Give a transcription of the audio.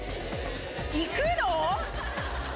行くの？